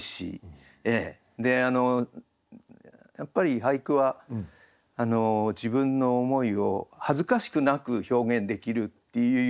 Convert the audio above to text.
でやっぱり俳句は自分の思いを恥ずかしくなく表現できるっていうようなのが。